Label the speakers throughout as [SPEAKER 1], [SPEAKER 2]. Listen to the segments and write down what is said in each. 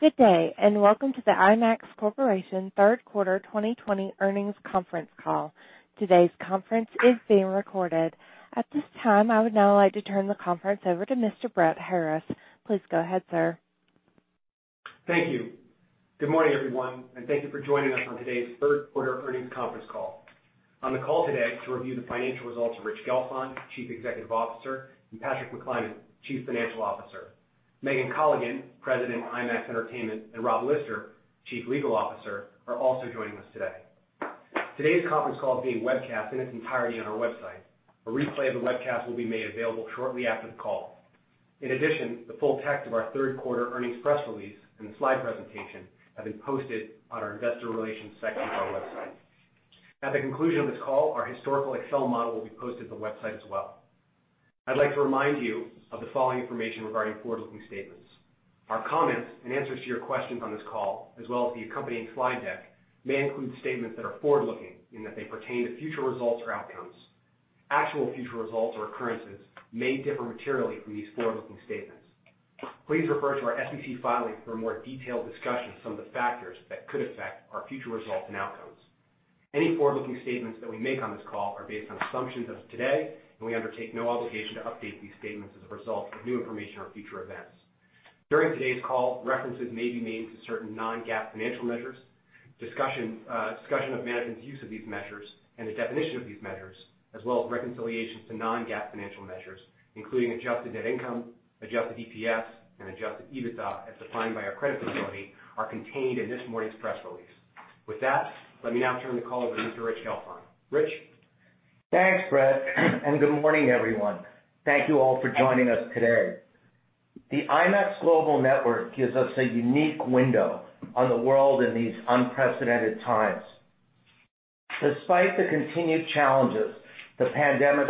[SPEAKER 1] Good day, and welcome to the IMAX Corporation Third Quarter 2020 Earnings Conference Call. Today's conference is being recorded. At this time, I would now like to turn the conference over to Mr. Brett Harriss. Please go ahead, sir.
[SPEAKER 2] Thank you. Good morning, everyone, and thank you for joining us on today's Third Quarter Earnings Conference Call. On the call today, to review the financial results of Rich Gelfond, Chief Executive Officer, and Patrick McClymont, Chief Financial Officer. Megan Colligan, President of IMAX Entertainment, and Rob Lister, Chief Legal Officer, are also joining us today. Today's conference call is being webcast in its entirety on our website. A replay of the webcast will be made available shortly after the call. In addition, the full text of our Third Quarter Earnings Press Release and the slide presentation have been posted on our Investor Relations section of our website. At the conclusion of this call, our historical Excel model will be posted on the website as well. I'd like to remind you of the following information regarding forward-looking statements. Our comments and answers to your questions on this call, as well as the accompanying slide deck, may include statements that are forward-looking in that they pertain to future results or outcomes. Actual future results or occurrences may differ materially from these forward-looking statements. Please refer to our SEC filing for a more detailed discussion of some of the factors that could affect our future results and outcomes. Any forward-looking statements that we make on this call are based on assumptions as of today, and we undertake no obligation to update these statements as a result of new information or future events. During today's call, references may be made to certain non-GAAP financial measures. Discussion of management's use of these measures and the definition of these measures, as well as reconciliations to Non-GAAP financial measures, including Adjusted Net Income, Adjusted EPS, and Adjusted EBITDA as defined by our credit facility, are contained in this morning's press release. With that, let me now turn the call over to Mr. Rich Gelfond. Rich.
[SPEAKER 3] Thanks, Brett, and good morning, everyone. Thank you all for joining us today. The IMAX Global Network gives us a unique window on the world in these unprecedented times. Despite the continued challenges the pandemic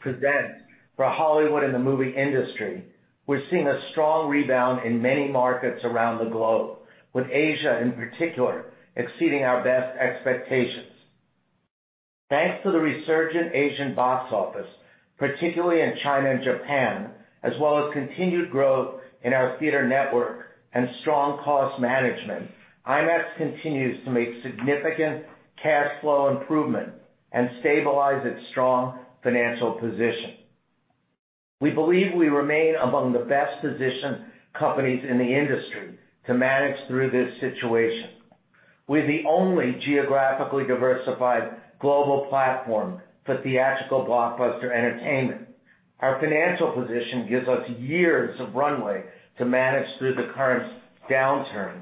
[SPEAKER 3] presents for Hollywood and the movie industry, we're seeing a strong rebound in many markets around the globe, with Asia in particular exceeding our best expectations. Thanks to the resurgent Asian box office, particularly in China and Japan, as well as continued growth in our theater network and strong cost management, IMAX continues to make significant cash flow improvement and stabilize its strong financial position. We believe we remain among the best-positioned companies in the industry to manage through this situation. We're the only geographically diversified global platform for theatrical blockbuster entertainment. Our financial position gives us years of runway to manage through the current downturn,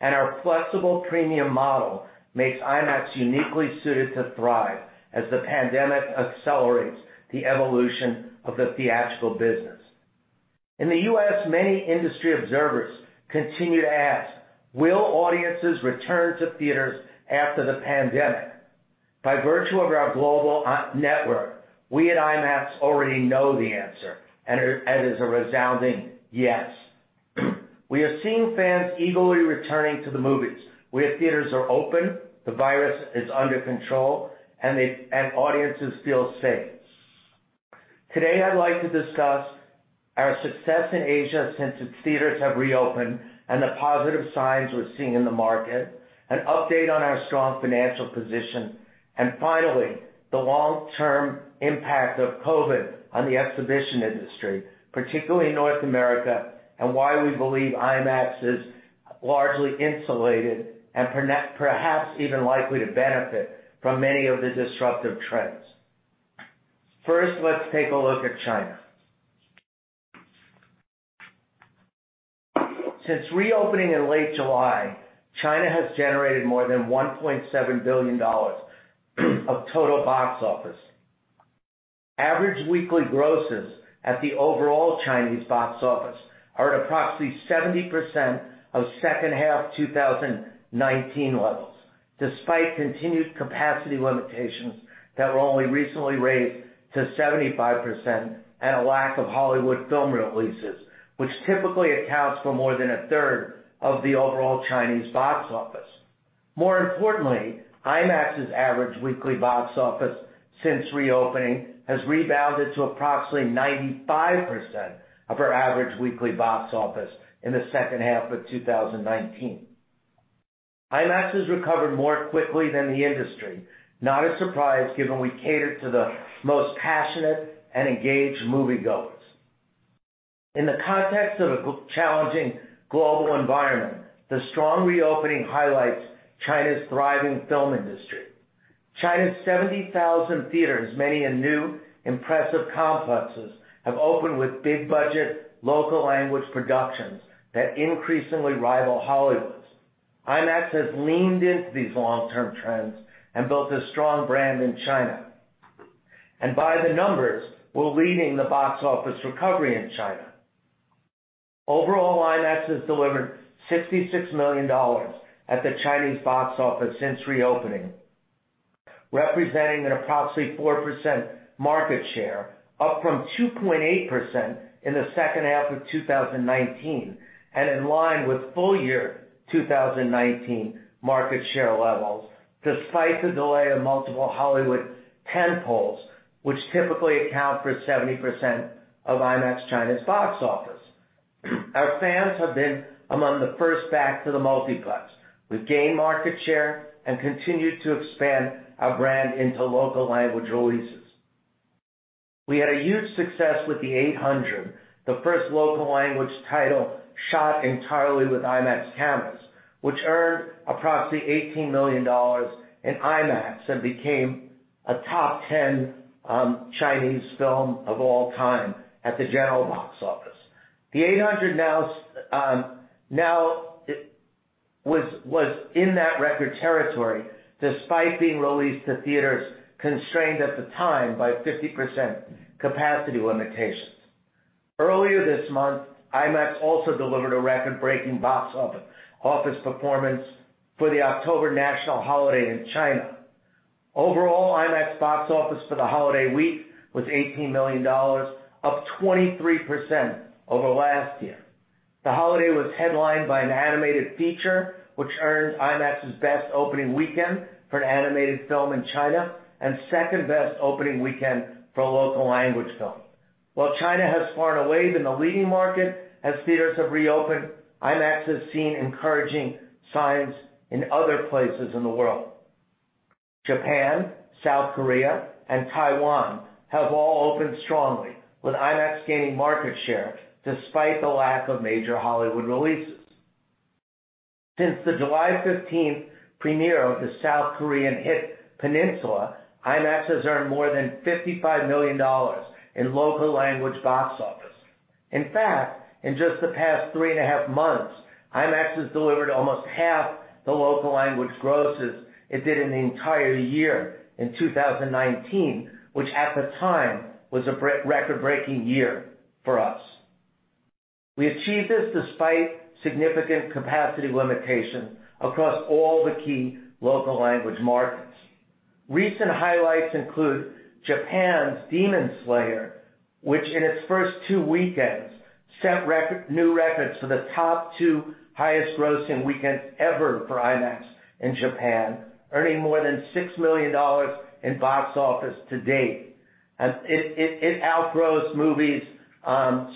[SPEAKER 3] and our flexible premium model makes IMAX uniquely suited to thrive as the pandemic accelerates the evolution of the theatrical business. In the U.S., many industry observers continue to ask, "Will audiences return to theaters after the pandemic?" By virtue of our global network, we at IMAX already know the answer, and it is a resounding yes. We are seeing fans eagerly returning to the movies where theaters are open, the virus is under control, and audiences feel safe. Today, I'd like to discuss our success in Asia since theaters have reopened and the positive signs we're seeing in the market, an update on our strong financial position, and finally, the long-term impact of COVID on the exhibition industry, particularly in North America, and why we believe IMAX is largely insulated and perhaps even likely to benefit from many of the disruptive trends. First, let's take a look at China. Since reopening in late July, China has generated more than $1.7 billion of total box office. Average weekly grosses at the overall Chinese box office are at approximately 70% of second half 2019 levels, despite continued capacity limitations that were only recently raised to 75% and a lack of Hollywood film releases, which typically accounts for more than a third of the overall Chinese box office. More importantly, IMAX's average weekly box office since reopening has rebounded to approximately 95% of our average weekly box office in the second half of 2019. IMAX has recovered more quickly than the industry, not a surprise given we catered to the most passionate and engaged moviegoers. In the context of a challenging global environment, the strong reopening highlights China's thriving film industry. China's 70,000 theaters, many in new, impressive complexes, have opened with big-budget, local-language productions that increasingly rival Hollywood's. IMAX has leaned into these long-term trends and built a strong brand in China, and by the numbers, we're leading the box office recovery in China. Overall, IMAX has delivered $66 million at the Chinese box office since reopening, representing an approximately 4% market share, up from 2.8% in the second half of 2019 and in line with full-year 2019 market share levels, despite the delay of multiple Hollywood tentpoles, which typically account for 70% of IMAX China's box office. Our fans have been among the first back to the multiplex. We've gained market share and continued to expand our brand into local-language releases. We had a huge success with The Eight Hundred, the first local-language title shot entirely with IMAX cameras, which earned approximately $18 million in IMAX and became a top 10 Chinese film of all time at the general box office. The Eight Hundred now was in that record territory despite being released to theaters constrained at the time by 50% capacity limitations. Earlier this month, IMAX also delivered a record-breaking box office performance for the October national holiday in China. Overall, IMAX box office for the holiday week was $18 million, up 23% over last year. The holiday was headlined by an animated feature, which earned IMAX's best opening weekend for an animated film in China and second-best opening weekend for a local-language film. While China has far and away been the leading market, as theaters have reopened, IMAX has seen encouraging signs in other places in the world. Japan, South Korea, and Taiwan have all opened strongly, with IMAX gaining market share despite the lack of major Hollywood releases. Since the July 15th premiere of the South Korean hit Peninsula, IMAX has earned more than $55 million in local-language box office. In fact, in just the past three and a half months, IMAX has delivered almost half the local-language grosses it did in the entire year in 2019, which at the time was a record-breaking year for us. We achieved this despite significant capacity limitations across all the key local-language markets. Recent highlights include Japan's Demon Slayer, which in its first two weekends set new records for the top two highest-grossing weekends ever for IMAX in Japan, earning more than $6 million in box office to date. It outgrosses movies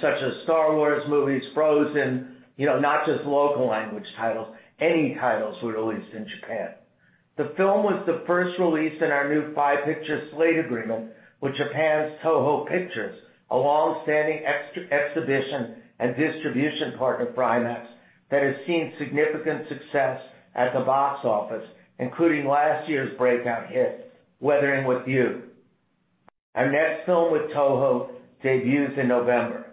[SPEAKER 3] such as Star Wars movies, Frozen, not just local-language titles, any titles ever released in Japan. The film was the first released in our new Five-Picture Slate Agreement with Japan's Toho Pictures, a long-standing exhibition and distribution partner for IMAX that has seen significant success at the box office, including last year's breakout hit Weathering With You. Our next film with Toho debuts in November.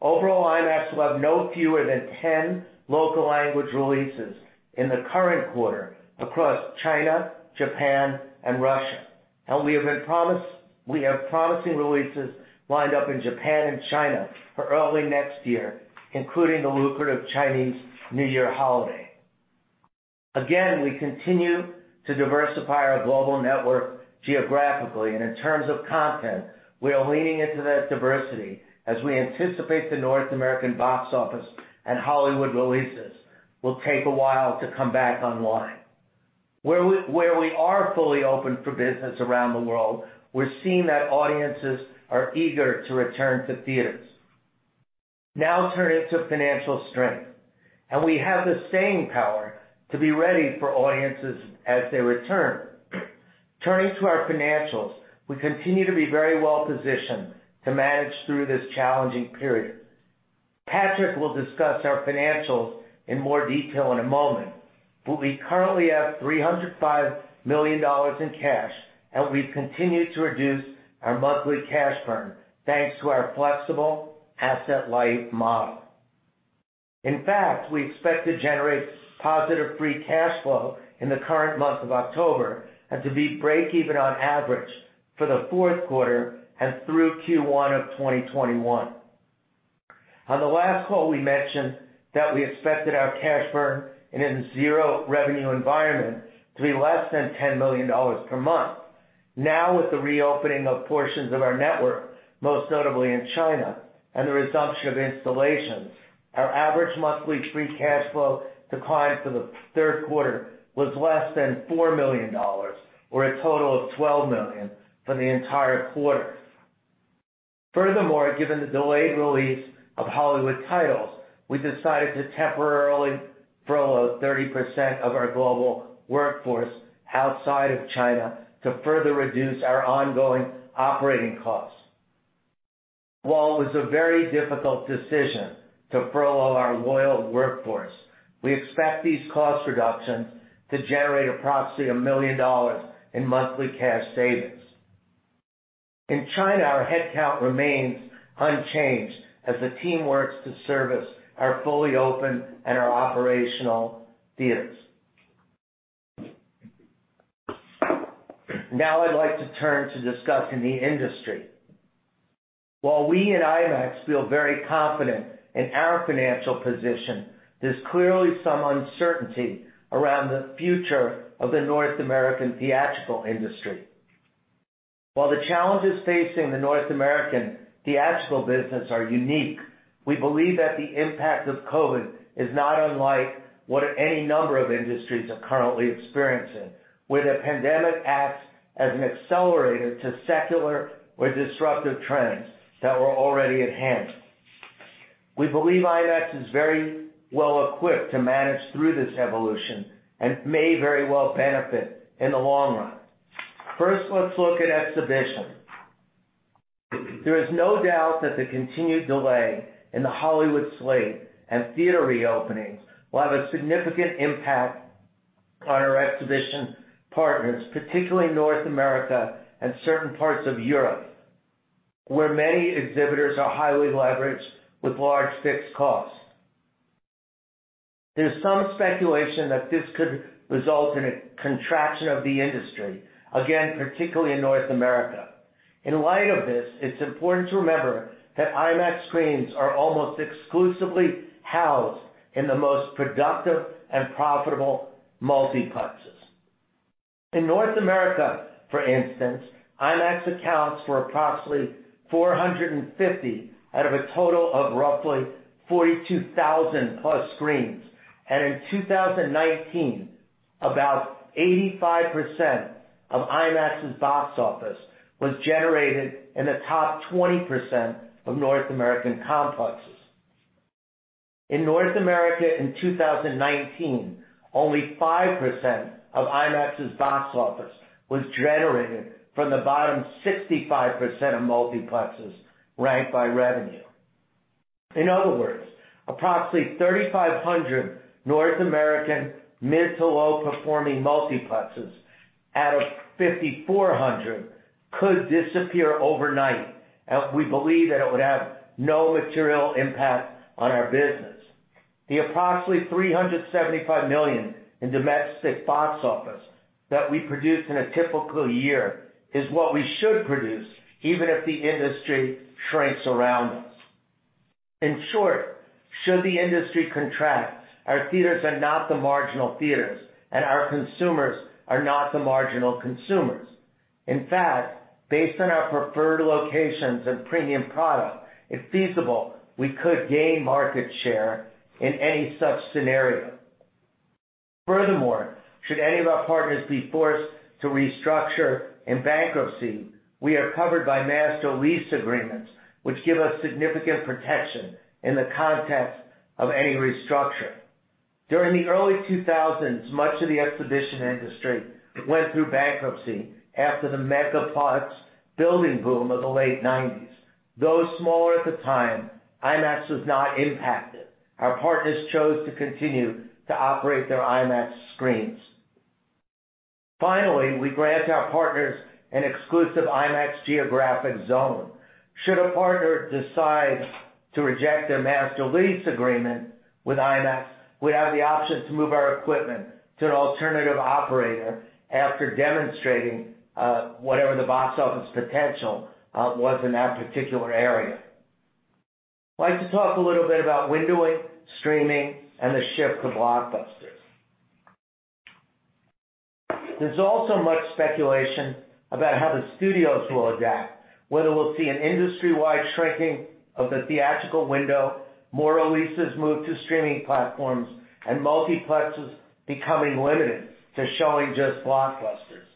[SPEAKER 3] Overall, IMAX will have no fewer than 10 local-language releases in the current quarter across China, Japan, and Russia, and we have promising releases lined up in Japan and China for early next year, including the lucrative Chinese New Year holiday. Again, we continue to diversify our global network geographically, and in terms of content, we are leaning into that diversity as we anticipate the North American box office and Hollywood releases will take a while to come back online. Where we are fully open for business around the world, we're seeing that audiences are eager to return to theaters. Now, turning to financial strength, and we have the staying power to be ready for audiences as they return. Turning to our financials, we continue to be very well-positioned to manage through this challenging period. Patrick will discuss our financials in more detail in a moment, but we currently have $305 million in cash, and we've continued to reduce our monthly cash burn thanks to our flexible asset-light model. In fact, we expect to generate positive free cash flow in the current month of October and to be break-even on average for the fourth quarter and through Q1 of 2021. On the last call, we mentioned that we expected our cash burn in a zero-revenue environment to be less than $10 million per month. Now, with the reopening of portions of our network, most notably in China and the resumption of installations, our average monthly free cash flow decline for the third quarter was less than $4 million, or a total of $12 million for the entire quarter. Furthermore, given the delayed release of Hollywood titles, we decided to temporarily furlough 30% of our global workforce outside of China to further reduce our ongoing operating costs. While it was a very difficult decision to furlough our loyal workforce, we expect these cost reductions to generate approximately $1 million in monthly cash savings. In China, our headcount remains unchanged as the team works to service our fully open and our operational theaters. Now, I'd like to turn to discussing the industry. While we at IMAX feel very confident in our financial position, there's clearly some uncertainty around the future of the North American theatrical industry. While the challenges facing the North American theatrical business are unique, we believe that the impact of COVID is not unlike what any number of industries are currently experiencing, where the pandemic acts as an accelerator to secular or disruptive trends that were already enhanced. We believe IMAX is very well-equipped to manage through this evolution and may very well benefit in the long run. First, let's look at exhibition. There is no doubt that the continued delay in the Hollywood slate and theater reopenings will have a significant impact on our exhibition partners, particularly North America and certain parts of Europe, where many exhibitors are highly leveraged with large fixed costs. There's some speculation that this could result in a contraction of the industry, again, particularly in North America. In light of this, it's important to remember that IMAX screens are almost exclusively housed in the most productive and profitable multiplexes. In North America, for instance, IMAX accounts for approximately 450 out of a total of roughly 42,000 plus screens, and in 2019, about 85% of IMAX's box office was generated in the top 20% of North American complexes. In North America in 2019, only 5% of IMAX's box office was generated from the bottom 65% of multiplexes ranked by revenue. In other words, approximately 3,500 North American mid-to-low-performing multiplexes out of 5,400 could disappear overnight, and we believe that it would have no material impact on our business. The approximately $375 million in domestic box office that we produce in a typical year is what we should produce, even if the industry shrinks around us. In short, should the industry contract, our theaters are not the marginal theaters, and our consumers are not the marginal consumers. In fact, based on our preferred locations and premium product, if feasible, we could gain market share in any such scenario. Furthermore, should any of our partners be forced to restructure in bankruptcy, we are covered by master lease agreements, which give us significant protection in the context of any restructuring. During the early 2000s, much of the exhibition industry went through bankruptcy after the megaplex building boom of the late 1990s. Though smaller at the time, IMAX was not impacted. Our partners chose to continue to operate their IMAX screens. Finally, we grant our partners an exclusive IMAX geographic zone. Should a partner decide to reject their master lease agreement with IMAX, we have the option to move our equipment to an alternative operator after demonstrating whatever the box office potential was in that particular area. I'd like to talk a little bit about windowing, streaming, and the shift to blockbusters. There's also much speculation about how the studios will adapt, whether we'll see an industry-wide shrinking of the theatrical window, more releases moved to streaming platforms, and multiplexes becoming limited to showing just blockbusters.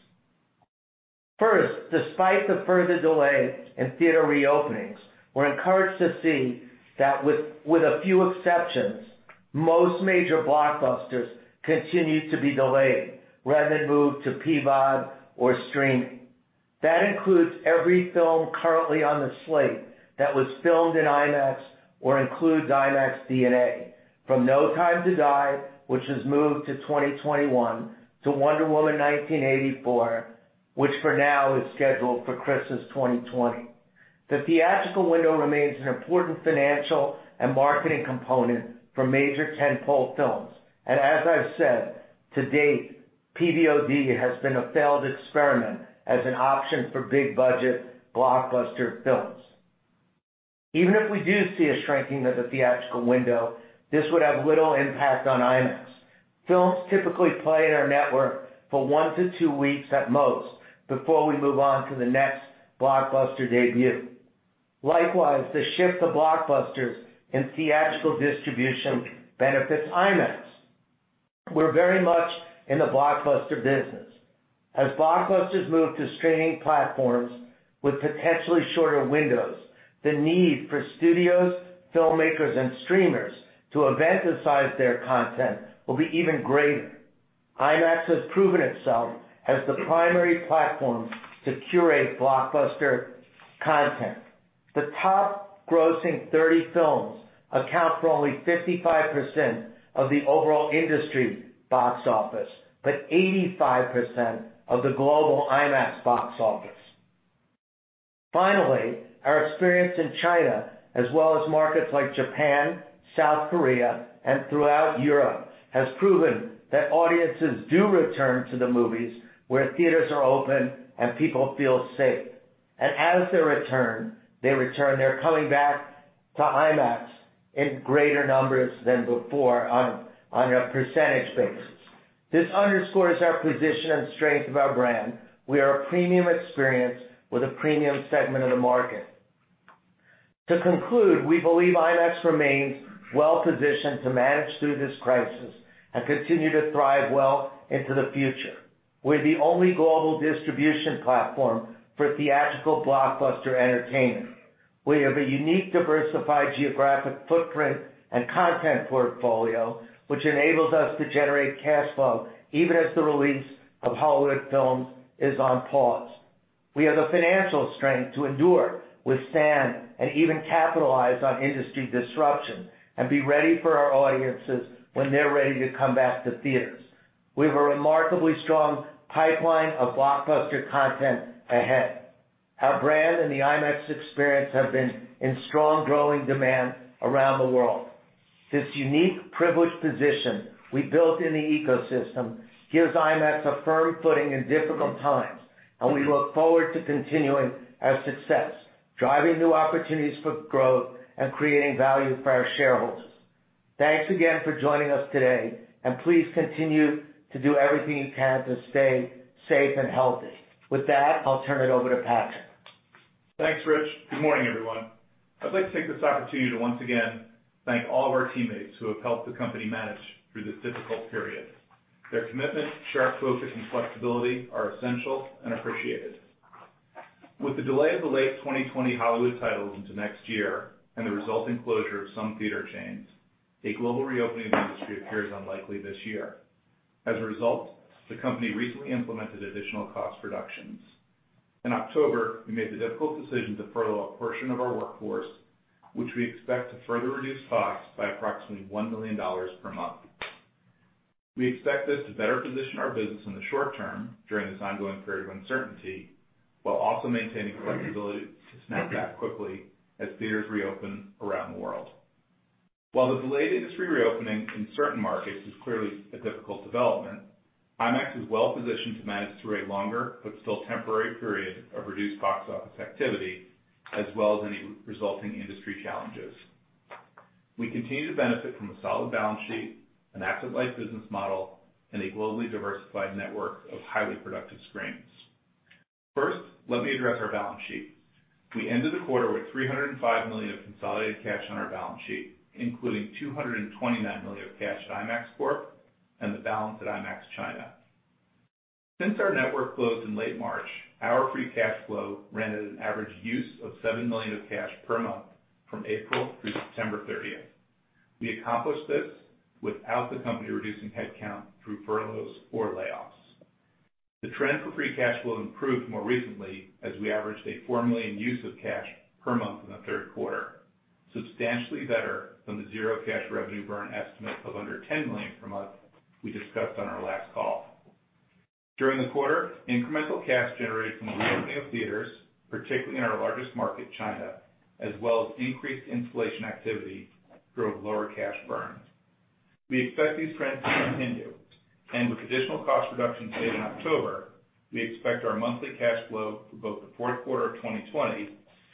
[SPEAKER 3] First, despite the further delay in theater reopenings, we're encouraged to see that, with a few exceptions, most major blockbusters continue to be delayed rather than moved to PVOD or streaming. That includes every film currently on the slate that was filmed in IMAX or includes IMAX DNA, from No Time to Die, which was moved to 2021, to Wonder Woman 1984, which for now is scheduled for Christmas 2020. The theatrical window remains an important financial and marketing component for major tentpole films, and as I've said, to date, PVOD has been a failed experiment as an option for big-budget blockbuster films. Even if we do see a shrinking of the theatrical window, this would have little impact on IMAX. Films typically play in our network for one to two weeks at most before we move on to the next blockbuster debut. Likewise, the shift to blockbusters in theatrical distribution benefits IMAX. We're very much in the blockbuster business. As blockbusters move to streaming platforms with potentially shorter windows, the need for studios, filmmakers, and streamers to event-size their content will be even greater. IMAX has proven itself as the primary platform to curate blockbuster content. The top-grossing 30 films account for only 55% of the overall industry box office, but 85% of the global IMAX box office. Finally, our experience in China, as well as markets like Japan, South Korea, and throughout Europe, has proven that audiences do return to the movies where theaters are open and people feel safe, and as they return, they're coming back to IMAX in greater numbers than before on a percentage basis. This underscores our position and strength of our brand. We are a premium experience with a premium segment of the market. To conclude, we believe IMAX remains well-positioned to manage through this crisis and continue to thrive well into the future. We're the only global distribution platform for theatrical blockbuster entertainment. We have a unique, diversified geographic footprint and content portfolio, which enables us to generate cash flow even as the release of Hollywood films is on pause. We have the financial strength to endure, withstand, and even capitalize on industry disruption and be ready for our audiences when they're ready to come back to theaters. We have a remarkably strong pipeline of blockbuster content ahead. Our brand and the IMAX experience have been in strong growing demand around the world. This unique, privileged position we built in the ecosystem gives IMAX a firm footing in difficult times, and we look forward to continuing our success, driving new opportunities for growth, and creating value for our shareholders. Thanks again for joining us today, and please continue to do everything you can to stay safe and healthy. With that, I'll turn it over to Patrick.
[SPEAKER 4] Thanks, Rich. Good morning, everyone. I'd like to take this opportunity to once again thank all of our teammates who have helped the company manage through this difficult period. Their commitment, sharp focus, and flexibility are essential and appreciated. With the delay of the late 2020 Hollywood titles into next year and the resulting closure of some theater chains, a global reopening of the industry appears unlikely this year. As a result, the company recently implemented additional cost reductions. In October, we made the difficult decision to furlough a portion of our workforce, which we expect to further reduce costs by approximately $1 million per month. We expect this to better position our business in the short term during this ongoing period of uncertainty while also maintaining flexibility to snap back quickly as theaters reopen around the world. While the delayed industry reopening in certain markets is clearly a difficult development, IMAX is well-positioned to manage through a longer but still temporary period of reduced box office activity as well as any resulting industry challenges. We continue to benefit from a solid balance sheet, an asset-light business model, and a globally diversified network of highly productive screens. First, let me address our balance sheet. We ended the quarter with $305 million of consolidated cash on our balance sheet, including $229 million of cash at IMAX Corp and the balance at IMAX China. Since our network closed in late March, our free cash flow ran at an average use of $7 million of cash per month from April through September 30th. We accomplished this without the company reducing headcount through furloughs or layoffs. The trend for free cash flow improved more recently as we averaged a $4 million use of cash per month in the third quarter, substantially better than the zero cash revenue burn estimate of under $10 million per month we discussed on our last call. During the quarter, incremental cash generated from the reopening of theaters, particularly in our largest market, China, as well as increased installation activity drove lower cash burns. We expect these trends to continue, and with additional cost reductions made in October, we expect our monthly cash flow for both the fourth quarter of 2020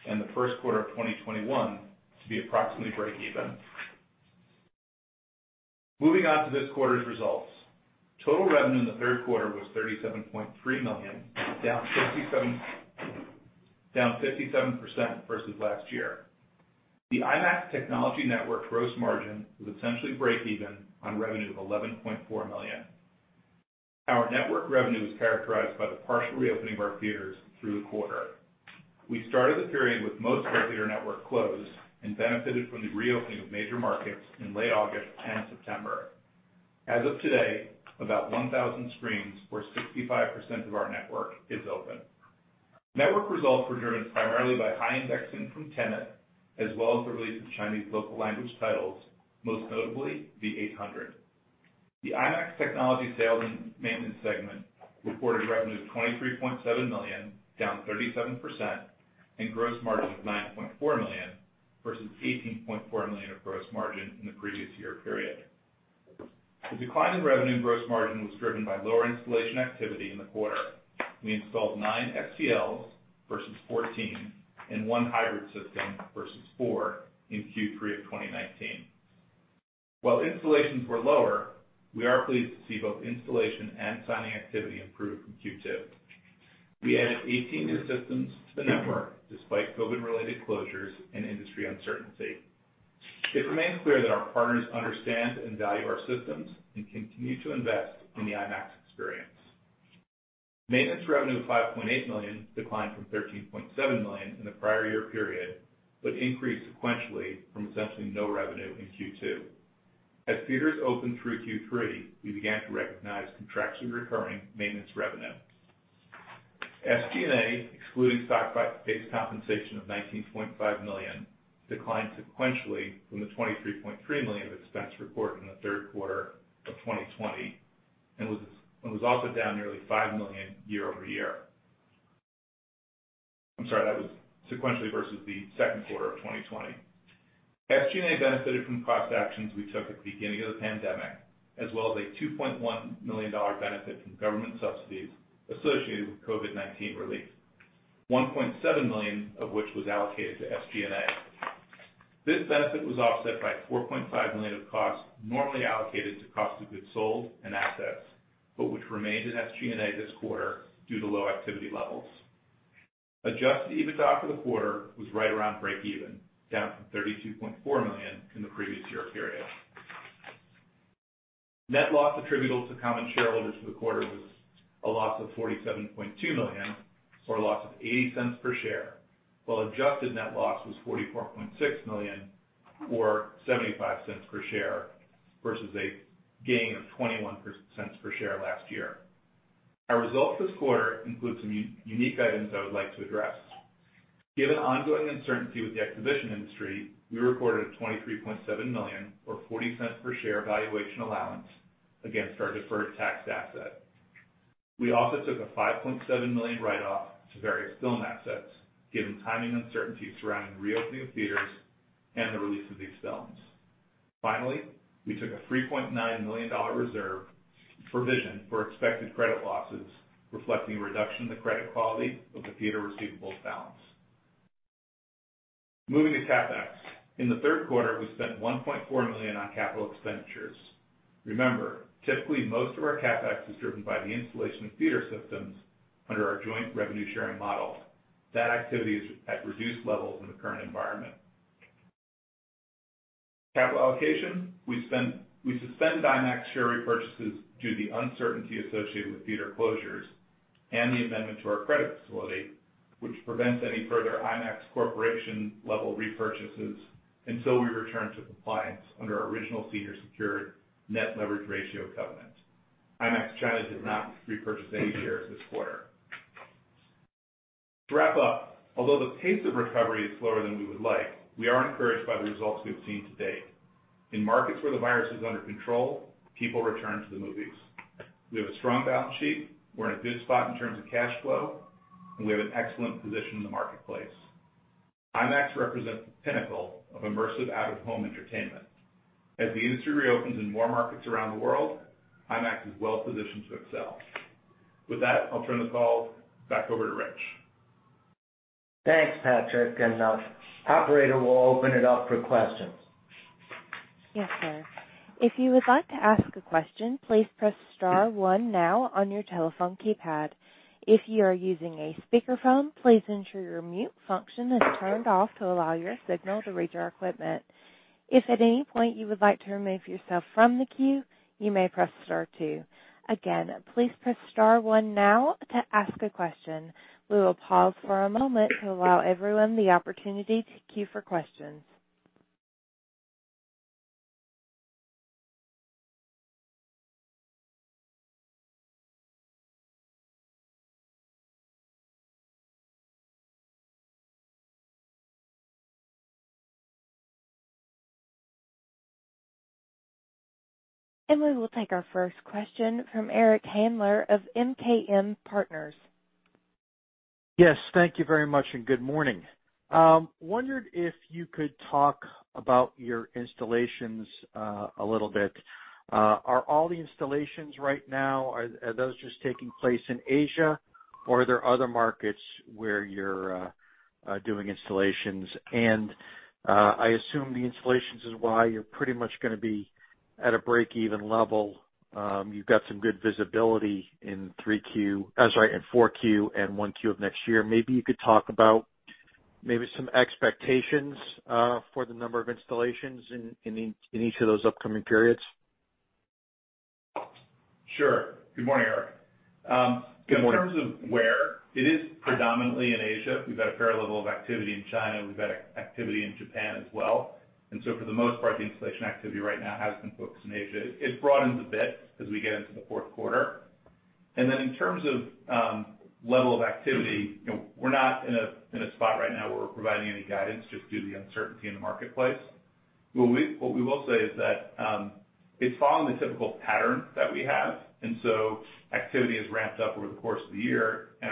[SPEAKER 4] and the first quarter of 2021 to be approximately break-even. Moving on to this quarter's results, total revenue in the third quarter was $37.3 million, down 57% versus last year. The IMAX Technology Network gross margin was essentially break-even on revenue of $11.4 million. Our network revenue was characterized by the partial reopening of our theaters through the quarter. We started the period with most of our theater network closed and benefited from the reopening of major markets in late August and September. As of today, about 1,000 screens or 65% of our network is open. Network results were driven primarily by high indexing from Tenet, as well as the release of Chinese local language titles, most notably The EightHundred. The IMAX Technology Sales and Maintenance segment reported revenue of $23.7 million, down 37%, and gross margin of $9.4 million versus $18.4 million of gross margin in the previous year period. The decline in revenue and gross margin was driven by lower installation activity in the quarter. We installed nine STLs versus 14 and one hybrid system versus four in Q3 of 2019. While installations were lower, we are pleased to see both installation and signing activity improve from Q2. We added 18 new systems to the network despite COVID-related closures and industry uncertainty. It remains clear that our partners understand and value our systems and continue to invest in the IMAX experience. Maintenance revenue of $5.8 million declined from $13.7 million in the prior year period but increased sequentially from essentially no revenue in Q2. As theaters opened through Q3, we began to recognize contract-recurring maintenance revenue. SG&A, excluding stock-based compensation of $19.5 million, declined sequentially from the $23.3 million of expense reported in the third quarter of 2020 and was also down nearly $5 million year over year. I'm sorry, that was sequentially versus the second quarter of 2020. SG&A benefited from cost actions we took at the beginning of the pandemic, as well as a $2.1 million benefit from government subsidies associated with COVID-19 relief, $1.7 million of which was allocated to SG&A. This benefit was offset by $4.5 million of costs normally allocated to cost of goods sold and assets, but which remained in SG&A this quarter due to low activity levels. Adjusted EBITDA for the quarter was right around break-even, down from $32.4 million in the previous year period. Net loss attributable to common shareholders for the quarter was a loss of $47.2 million or a loss of $0.80 per share, while adjusted net loss was $44.6 million or $0.75 per share versus a gain of $0.21 per share last year. Our results this quarter include some unique items I would like to address. Given ongoing uncertainty with the exhibition industry, we recorded a $23.7 million or $0.40 per share valuation allowance against our deferred tax asset. We also took a $5.7 million write-off to various film assets given timing uncertainty surrounding the reopening of theaters and the release of these films. Finally, we took a $3.9 million reserve provision for expected credit losses, reflecting a reduction in the credit quality of the theater receivables balance. Moving to CapEx, in the third quarter, we spent $1.4 million on capital expenditures. Remember, typically, most of our CapEx is driven by the installation of theater systems under our joint revenue-sharing model. That activity is at reduced levels in the current environment. Capital allocation, we suspend IMAX share repurchases due to the uncertainty associated with theater closures and the amendment to our credit facility, which prevents any further IMAX Corporation-level repurchases until we return to compliance under our original senior secured net leverage ratio covenant. IMAX China did not repurchase any shares this quarter. To wrap up, although the pace of recovery is slower than we would like, we are encouraged by the results we've seen to date. In markets where the virus is under control, people return to the movies. We have a strong balance sheet. We're in a good spot in terms of cash flow, and we have an excellent position in the marketplace. IMAX represents the pinnacle of immersive out-of-home entertainment. As the industry reopens in more markets around the world, IMAX is well-positioned to excel. With that, I'll turn the call back over to Rich.
[SPEAKER 3] Thanks, Patrick, and Operator will open it up for questions.
[SPEAKER 1] Yes, sir. If you would like to ask a question, please press star one now on your telephone keypad. If you are using a speakerphone, please ensure your mute function is turned off to allow your signal to reach our equipment. If at any point you would like to remove yourself from the queue, you may press star two. Again, please press star one now to ask a question. We will pause for a moment to allow everyone the opportunity to queue for questions, and we will take our first question from Eric Handler of MKM Partners.
[SPEAKER 5] Yes, thank you very much and good morning. I wondered if you could talk about your installations a little bit. Are all the installations right now, are those just taking place in Asia, or are there other markets where you're doing installations? And I assume the installations is why you're pretty much going to be at a break-even level. You've got some good visibility in Q3, I'm sorry, in Q4 and Q1 of next year. Maybe you could talk about maybe some expectations for the number of installations in each of those upcoming periods.
[SPEAKER 4] Sure. Good morning, Eric.
[SPEAKER 5] Good morning.
[SPEAKER 4] In terms of where, it is predominantly in Asia. We've had a fair level of activity in China. We've had activity in Japan as well. And so for the most part, the installation activity right now has been focused in Asia. It broadens a bit as we get into the fourth quarter. And then in terms of level of activity, we're not in a spot right now where we're providing any guidance just due to the uncertainty in the marketplace. What we will say is that it's following the typical pattern that we have. And so activity has ramped up over the course of the year, and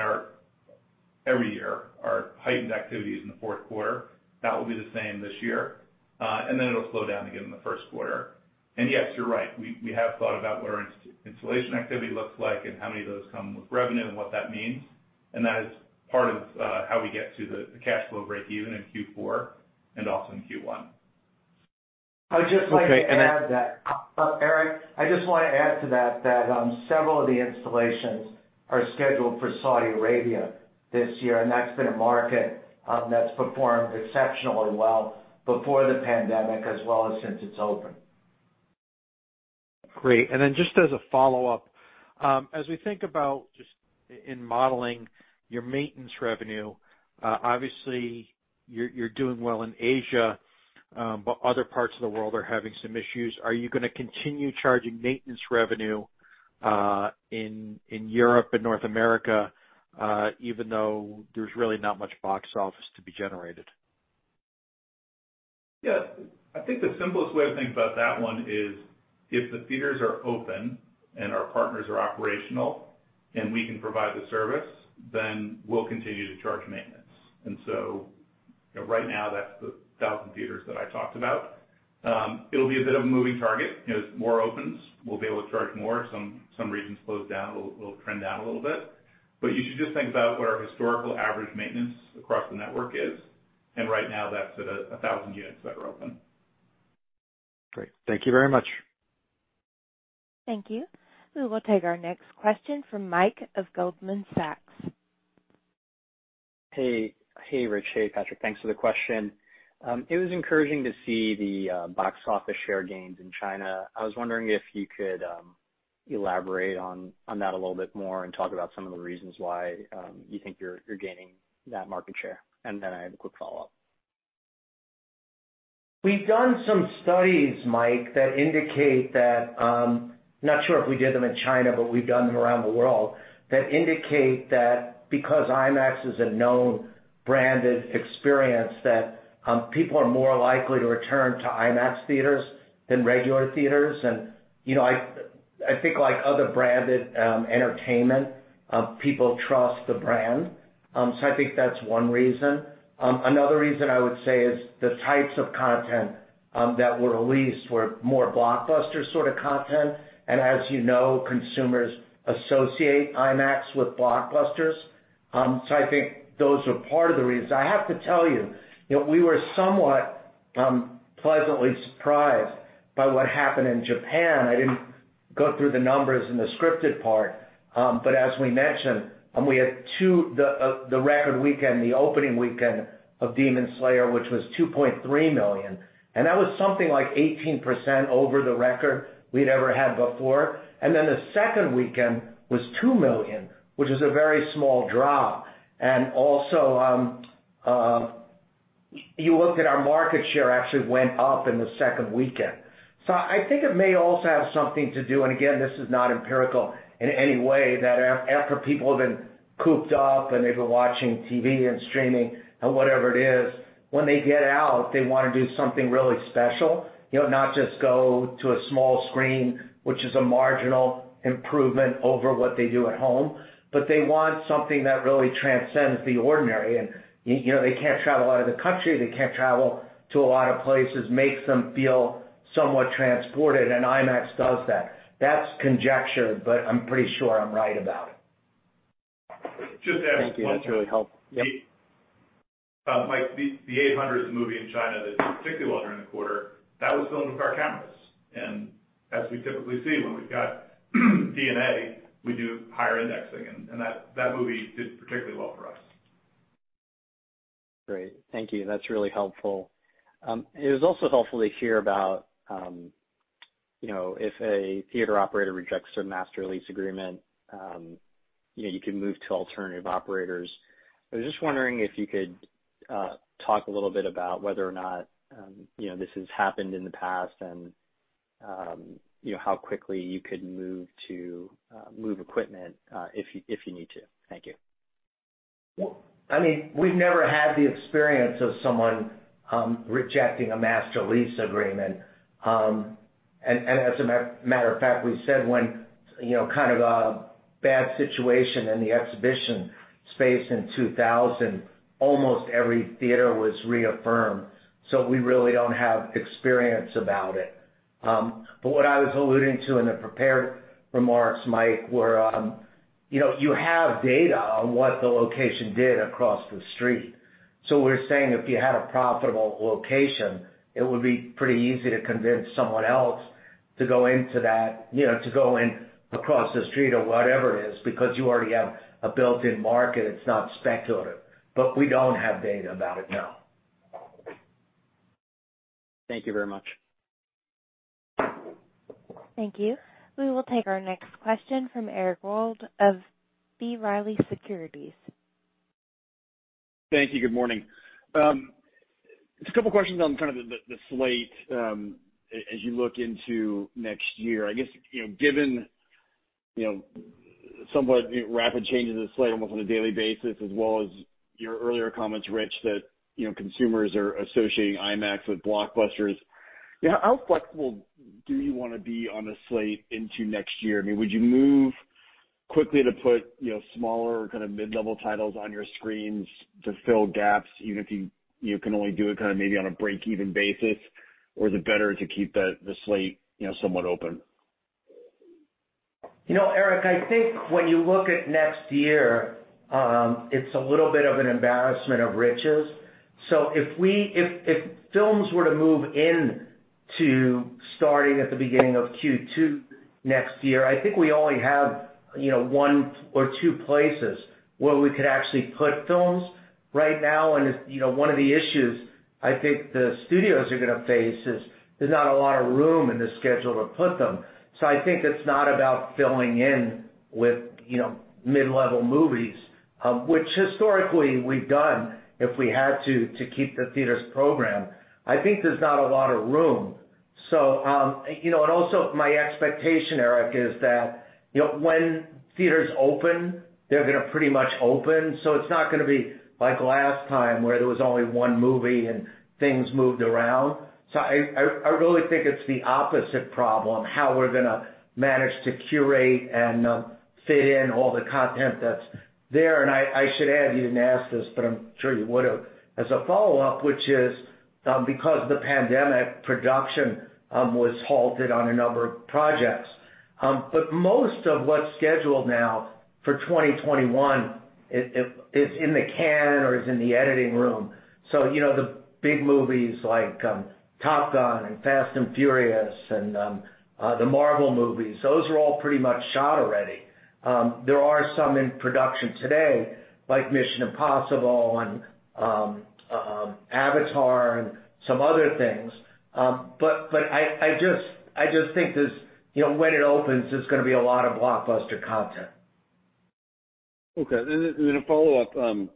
[SPEAKER 4] every year our heightened activity is in the fourth quarter. That will be the same this year. And then it'll slow down again in the first quarter. And yes, you're right. We have thought about what our installation activity looks like and how many of those come with revenue and what that means, and that is part of how we get to the cash flow break-even in Q4 and also in Q1. I just want to add that. Eric, I just want to add to that that several of the installations are scheduled for Saudi Arabia this year, and that's been a market that's performed exceptionally well before the pandemic as well as since it's open.
[SPEAKER 5] Great. And then just as a follow-up, as we think about just in modeling your maintenance revenue, obviously you're doing well in Asia, but other parts of the world are having some issues. Are you going to continue charging maintenance revenue in Europe and North America even though there's really not much box office to be generated?
[SPEAKER 4] Yeah. I think the simplest way to think about that one is if the theaters are open and our partners are operational and we can provide the service, then we'll continue to charge maintenance. And so right now that's the 1,000 theaters that I talked about. It'll be a bit of a moving target. As more opens, we'll be able to charge more. Some regions close down, it'll trend down a little bit. But you should just think about what our historical average maintenance across the network is. And right now that's at 1,000 units that are open.
[SPEAKER 5] Great. Thank you very much.
[SPEAKER 1] Thank you. We will take our next question from Mike of Goldman Sachs.
[SPEAKER 6] Hey, Rich, hey, Patrick. Thanks for the question. It was encouraging to see the box office share gains in China. I was wondering if you could elaborate on that a little bit more and talk about some of the reasons why you think you're gaining that market share. And then I have a quick follow-up.
[SPEAKER 3] We've done some studies, Mike, that indicate that I'm not sure if we did them in China, but we've done them around the world that indicate that because IMAX is a known branded experience, that people are more likely to return to IMAX theaters than regular theaters. I think like other branded entertainment, people trust the brand. So I think that's one reason. Another reason I would say is the types of content that were released were more blockbuster sort of content. As you know, consumers associate IMAX with blockbusters. So I think those are part of the reasons. I have to tell you, we were somewhat pleasantly surprised by what happened in Japan. I didn't go through the numbers in the scripted part, but as we mentioned, we had the record weekend, the opening weekend of Demon Slayer, which was 2.3 million. And that was something like 18% over the record we'd ever had before. And then the second weekend was $2 million, which is a very small drop. And also, you looked at our market share actually went up in the second weekend. So I think it may also have something to do, and again, this is not empirical in any way, that after people have been cooped up and they've been watching TV and streaming and whatever it is, when they get out, they want to do something really special, not just go to a small screen, which is a marginal improvement over what they do at home, but they want something that really transcends the ordinary. And they can't travel out of the country. They can't travel to a lot of places. Makes them feel somewhat transported, and IMAX does that. That's conjecture, but I'm pretty sure I'm right about it.
[SPEAKER 4] Just to ask as well.
[SPEAKER 6] Thank you.
[SPEAKER 4] ;Mike, The Eight Hundred is a movie in China that did particularly well during the quarter. That was filmed with our cameras. And as we typically see, when we've got DNA, we do higher indexing. And that movie did particularly well for us.
[SPEAKER 6] Great. Thank you. That's really helpful. It was also helpful to hear about if a theater operator rejects a Master Lease Agreement, you can move to alternative operators. I was just wondering if you could talk a little bit about whether or not this has happened in the past and how quickly you could move equipment if you need to. Thank you.
[SPEAKER 4] I mean, we've never had the experience of someone rejecting a Master Lease Agreement, and as a matter of fact, we saw when kind of a bad situation in the exhibition space in 2000, almost every theater was reaffirmed, so we really don't have experience about it. But what I was alluding to in the prepared remarks, Mike, were where you have data on what the location did across the street. So we're saying if you had a profitable location, it would be pretty easy to convince someone else to go into that, to go in across the street or whatever it is because you already have a built-in market. It's not speculative, but we don't have data about it now.
[SPEAKER 6] Thank you very much.
[SPEAKER 1] Thank you. We will take our next question from Eric Wold of B. Riley Securities.
[SPEAKER 7] Thank you. Good morning. Just a couple of questions on kind of the slate as you look into next year. I guess given somewhat rapid changes in the slate almost on a daily basis, as well as your earlier comments, Rich, that consumers are associating IMAX with blockbusters. How flexible do you want to be on the slate into next year? I mean, would you move quickly to put smaller or kind of mid-level titles on your screens to fill gaps, even if you can only do it kind of maybe on a break-even basis? Or is it better to keep the slate somewhat open?
[SPEAKER 3] Eric, I think when you look at next year, it's a little bit of an embarrassment of riches. So if films were to move into starting at the beginning of Q2 next year, I think we only have one or two places where we could actually put films right now. And one of the issues I think the studios are going to face is there's not a lot of room in the schedule to put them. So I think it's not about filling in with mid-level movies, which historically we've done if we had to keep the theater's program. I think there's not a lot of room. And also my expectation, Eric, is that when theaters open, they're going to pretty much open. So it's not going to be like last time where there was only one movie and things moved around. So I really think it's the opposite problem, how we're going to manage to curate and fit in all the content that's there. And I should add, you didn't ask this, but I'm sure you would have, as a follow-up, which is because of the pandemic, production was halted on a number of projects. But most of what's scheduled now for 2021 is in the can or is in the editing room. So the big movies like Top Gun and Fast and Furious and the Marvel movies, those are all pretty much shot already. There are some in production today like Mission: Impossible and Avatar and some other things. But I just think when it opens, there's going to be a lot of blockbuster content.
[SPEAKER 7] Okay. And then a follow-up on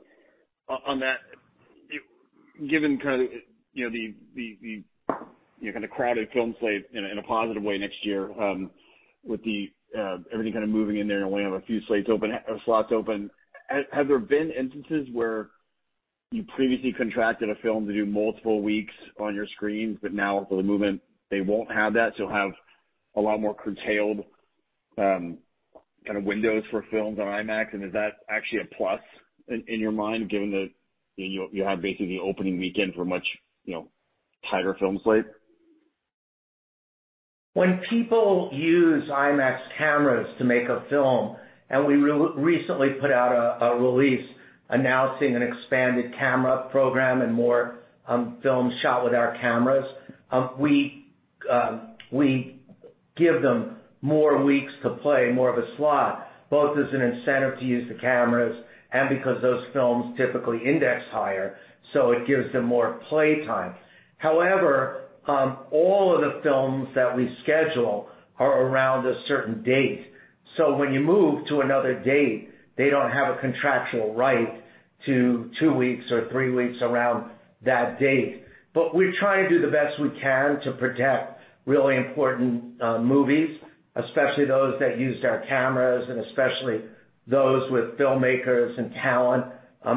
[SPEAKER 7] that. Given kind of the crowded film slate in a positive way next year with everything kind of moving in there and only have a few slots open, have there been instances where you previously contracted a film to do multiple weeks on your screens, but now with the movement, they won't have that? So you'll have a lot more curtailed kind of windows for films on IMAX. And is that actually a plus in your mind given that you have basically the opening weekend for much tighter film slate?
[SPEAKER 3] When people use IMAX cameras to make a film, and we recently put out a release announcing an expanded camera program and more films shot with our cameras, we give them more weeks to play more of a slot, both as an incentive to use the cameras and because those films typically index higher, so it gives them more playtime. However, all of the films that we schedule are around a certain date, so when you move to another date, they don't have a contractual right to two weeks or three weeks around that date, but we're trying to do the best we can to protect really important movies, especially those that used our cameras and especially those with filmmakers and talent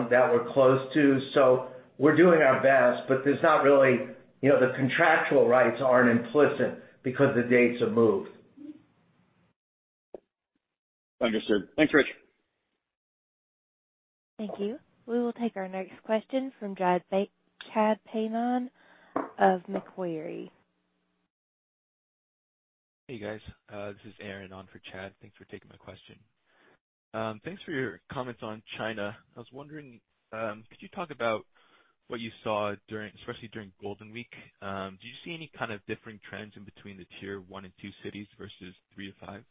[SPEAKER 3] that we're close to, so we're doing our best, but the contractual rights aren't really implicit because the dates have moved.
[SPEAKER 7] Understood. Thanks, Rich.
[SPEAKER 1] Thank you. We will take our next question from Chad Beynon of Macquarie Group.
[SPEAKER 8] Hey, guys. This is Aaron on for Chad. Thanks for taking my question. Thanks for your comments on China. I was wondering, could you talk about what you saw, especially during Golden Week? Did you see any kind of differing trends in between the tier one and two cities versus three to five?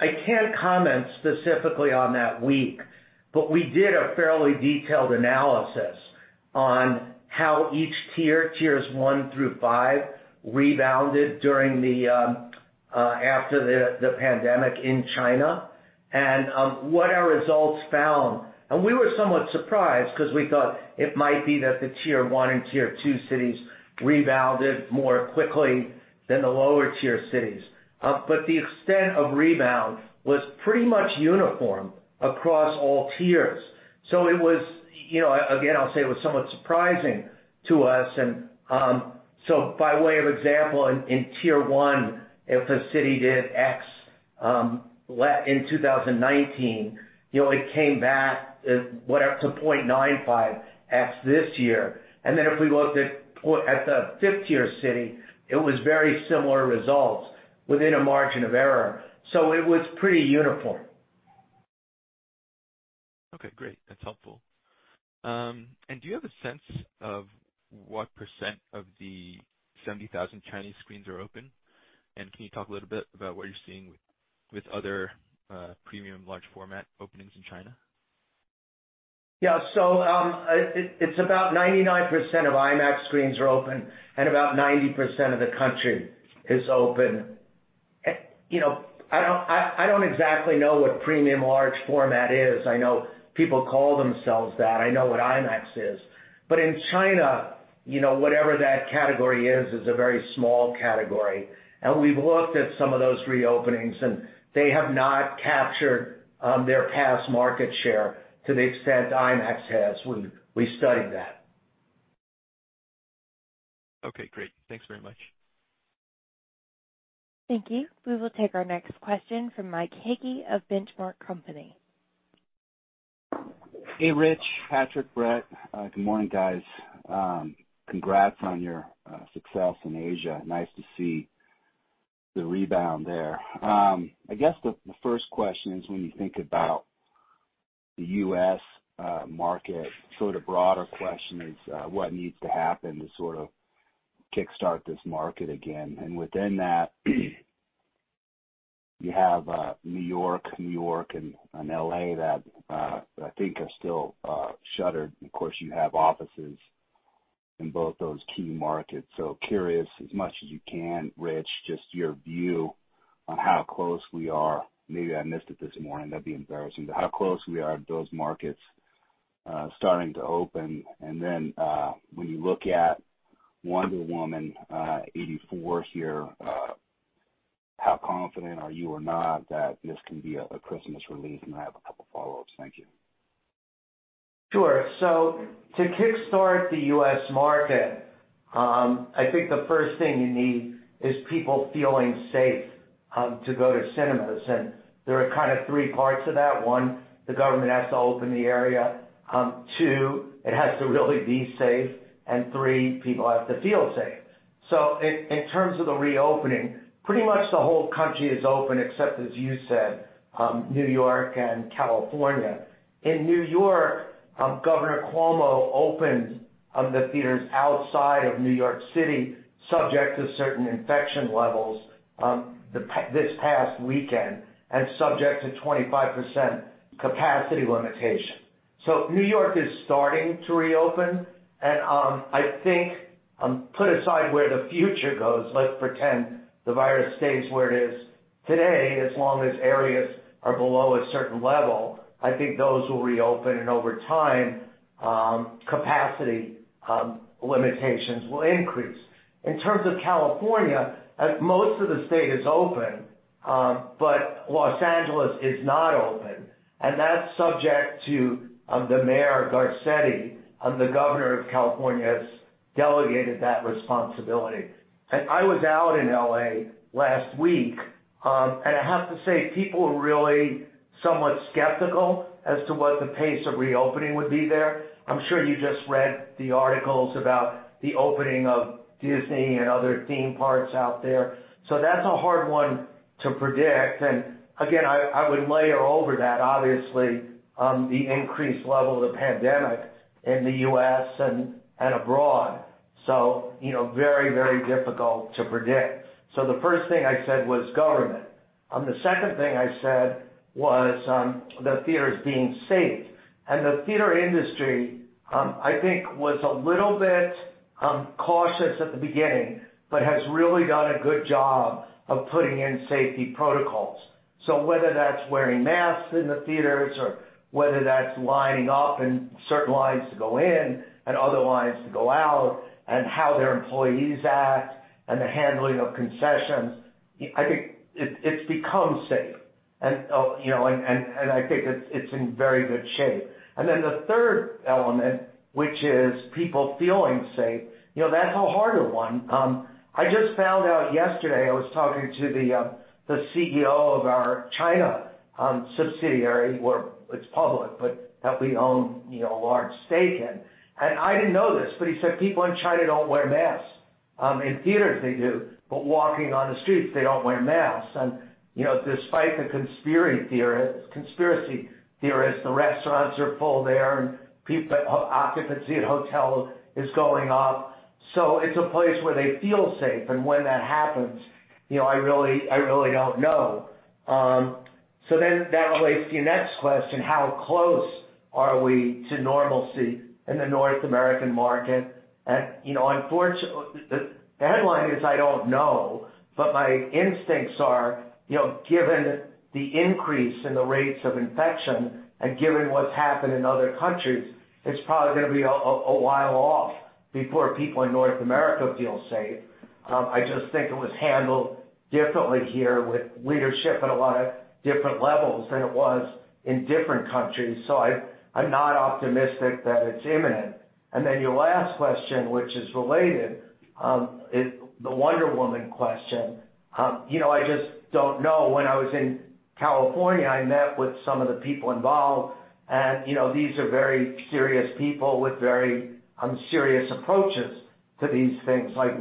[SPEAKER 4] I can't comment specifically on that week, but we did a fairly detailed analysis on how each tier, tiers one through five, rebounded after the pandemic in China and what our results found. And we were somewhat surprised because we thought it might be that the tier one and tier two cities rebounded more quickly than the lower tier cities. But the extent of rebound was pretty much uniform across all tiers. So it was, again, I'll say it was somewhat surprising to us. And so by way of example, in tier one, if a city did X in 2019, it came back to 0.95X this year. And then if we looked at the fifth-tier city, it was very similar results within a margin of error. So it was pretty uniform.
[SPEAKER 8] Okay. Great. That's helpful. And do you have a sense of what % of the 70,000 Chinese screens are open? And can you talk a little bit about what you're seeing with other premium large-format openings in China?
[SPEAKER 3] Yeah. So it's about 99% of IMAX screens are open and about 90% of the country is open. I don't exactly know what premium large format is. I know people call themselves that. I know what IMAX is. But in China, whatever that category is, is a very small category. And we've looked at some of those reopenings, and they have not captured their past market share to the extent IMAX has. We studied that.
[SPEAKER 8] Okay. Great. Thanks very much.
[SPEAKER 1] Thank you. We will take our next question from Mike Hickey of Benchmark Company.
[SPEAKER 9] Hey, Rich, Patrick, Brett. Good morning, guys. Congrats on your success in Asia. Nice to see the rebound there. I guess the first question is, when you think about the U.S. market, sort of broader question is what needs to happen to sort of kickstart this market again? And within that, you have New York, New York, and LA that I think are still shuttered. Of course, you have offices in both those key markets. So curious as much as you can, Rich, just your view on how close we are. Maybe I missed it this morning. That'd be embarrassing. But how close we are to those markets starting to open? And then when you look at Wonder Woman '84 here, how confident are you or not that this can be a Christmas release? And I have a couple of follow-ups. Thank you.
[SPEAKER 3] Sure. So to kickstart the U.S. market, I think the first thing you need is people feeling safe to go to cinemas. And there are kind of three parts of that. One, the government has to open the area. Two, it has to really be safe. And three, people have to feel safe. So in terms of the reopening, pretty much the whole country is open, except, as you said, New York and California. In New York, Governor Cuomo opened the theaters outside of New York City, subject to certain infection levels this past weekend and subject to 25% capacity limitation. So New York is starting to reopen. And I think put aside where the future goes, let's pretend the virus stays where it is. Today, as long as areas are below a certain level, I think those will reopen. And over time, capacity limitations will increase. In terms of California, most of the state is open, but Los Angeles is not open, and that's subject to the Mayor Garcetti. The Governor of California has delegated that responsibility, and I was out in LA last week, and I have to say, people are really somewhat skeptical as to what the pace of reopening would be there. I'm sure you just read the articles about the opening of Disney and other theme parks out there, so that's a hard one to predict, and again, I would layer over that, obviously, the increased level of the pandemic in the U.S. and abroad, so very, very difficult to predict, so the first thing I said was government. The second thing I said was the theaters being safe. The theater industry, I think, was a little bit cautious at the beginning, but has really done a good job of putting in safety protocols. So whether that's wearing masks in the theaters or whether that's lining up in certain lines to go in and other lines to go out and how their employees act and the handling of concessions, I think it's become safe. And I think it's in very good shape. And then the third element, which is people feeling safe, that's a harder one. I just found out yesterday I was talking to the CEO of our China subsidiary where it's public, but that we own a large stake in. And I didn't know this, but he said people in China don't wear masks. In theaters, they do, but walking on the streets, they don't wear masks. Despite the conspiracy theorists, the restaurants are full there, and occupancy at hotels is going up. It's a place where they feel safe. When that happens, I really don't know. That relates to your next question. How close are we to normalcy in the North American market? Unfortunately, the headline is, "I don't know." My instincts are, given the increase in the rates of infection and given what's happened in other countries, it's probably going to be a while off before people in North America feel safe. I just think it was handled differently here with leadership at a lot of different levels than it was in different countries. I'm not optimistic that it's imminent. Your last question, which is related, the Wonder Woman question, I just don't know. When I was in California, I met with some of the people involved. And these are very serious people with very serious approaches to these things, like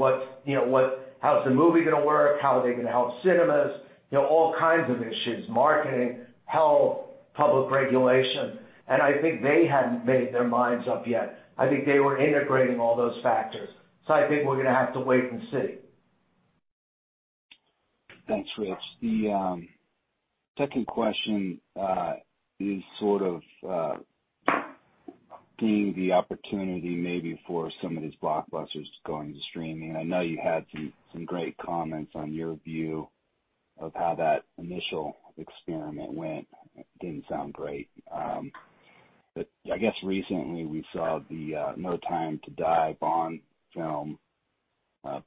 [SPEAKER 3] how's the movie going to work, how are they going to help cinemas, all kinds of issues, marketing, health, public regulation. And I think they hadn't made their minds up yet. I think they were integrating all those factors. So I think we're going to have to wait and see.
[SPEAKER 9] Thanks, Rich. The second question is sort of being the opportunity maybe for some of these blockbusters going to streaming. I know you had some great comments on your view of how that initial experiment went. It didn't sound great. But I guess recently, we saw the No Time to Die Bond film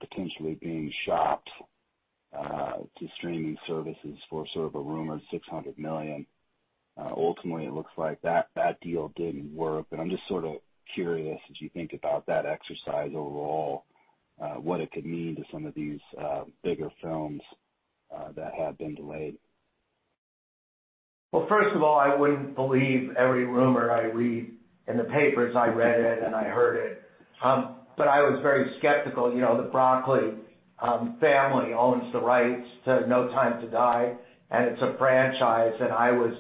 [SPEAKER 9] potentially being shopped to streaming services for sort of a rumored $600 million. Ultimately, it looks like that deal didn't work. But I'm just sort of curious, as you think about that exercise overall, what it could mean to some of these bigger films that have been delayed.
[SPEAKER 3] First of all, I wouldn't believe every rumor I read in the papers. I read it and I heard it. I was very skeptical. The Broccoli family owns the rights to No Time to Die. It's a franchise. I was